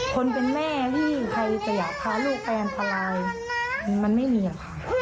คนเป็นแม่ที่ใครจะอยากพาลูกไปอันตรายมันไม่มีค่ะ